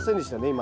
今。